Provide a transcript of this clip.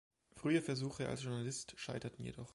Frühe Versuche als Journalist scheiterten jedoch.